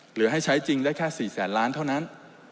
หรือให้ใช้จริงได้แค่๔แสนล้านเท่านั้น